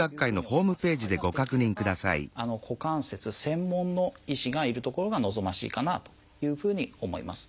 できれば股関節専門の医師がいる所が望ましいかなというふうに思います。